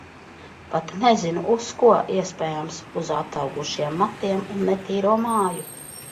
Pat nezinu, uz ko. Iespējams, uz ataugušajiem matiem un netīro māju.